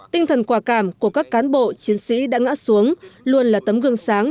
tinh thần quả cảm của các cán bộ chiến sĩ đã ngã xuống luôn là tấm gương sáng